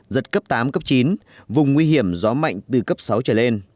giật cấp tám cấp chín vùng nguy hiểm gió mạnh từ cấp sáu trở lên